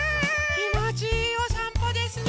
きもちいいおさんぽですね。